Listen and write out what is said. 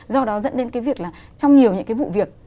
do đó dẫn đến cái việc là trong nhiều những cái vụ việc